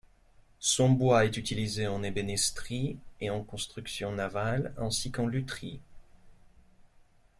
Son bois est utilisé en ébénisterie et en construction navale, ainsi qu'en lutherie.